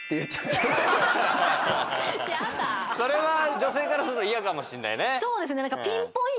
女性からすると嫌かもしれない。